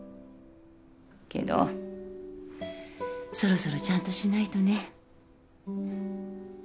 けどそろそろちゃんとしないとね。